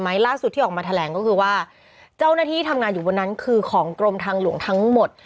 ล่าสุดที่ออกมาแถลงก็คือว่าเจ้าหน้าที่ทำงานอยู่บนนั้นคือของกรมทางหลวงทั้งหมด